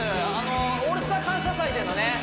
あの「オールスター感謝祭」でのね